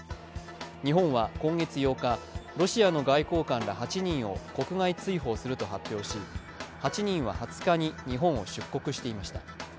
日本は今月８日、ロシアの外交官ら８人を国外追放すると発表し、８人は２０日に日本を出国していました。